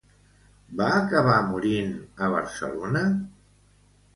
Va acabar morint a Barcelona?